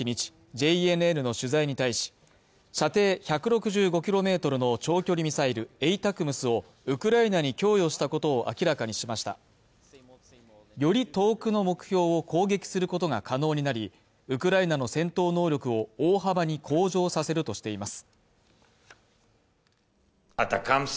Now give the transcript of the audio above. ＪＮＮの取材に対し射程１６５ｋｍの長距離ミサイルＡＴＡＣＭＳをウクライナに供与したことを明らかにしましたより遠くの目標を攻撃することが可能になりウクライナの戦闘能力を大幅に向上させるとしています